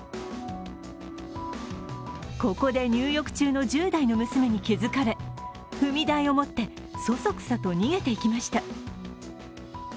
ここで入浴中の１０代の娘に気付かれ踏み台を持ってそそくさと逃げていきました。